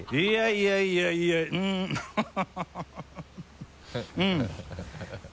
いやいやうんハハハ